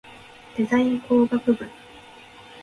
デザイン工学部